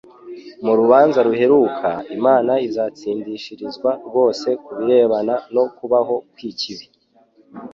Mu rubanza ruheruka, Imana izatsindishirizwa rwose ku birebana no kubaho kw'ikibi.